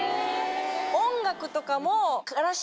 音楽とかも。